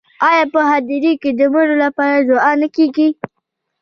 آیا په هدیره کې د مړو لپاره دعا نه کیږي؟